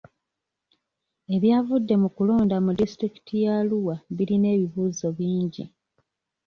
Ebyavudde mu kulonda mu disitulikiti y'Arua birina ebibuuzo bingi.